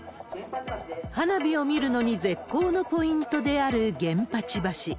花火を見るのに絶好のポイントである源八橋。